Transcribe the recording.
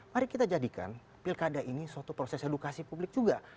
mari kita jadikan pilkada ini suatu proses edukasi publik juga